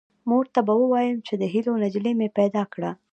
مور ته به ووایم چې د هیلو نجلۍ مې پیدا کړه